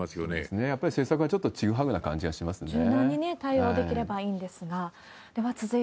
やっぱり政策がちょっとちぐはぐな感じがしますね。